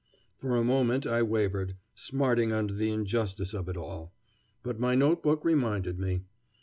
For a moment I wavered, smarting under the injustice of it all. But my note book reminded me.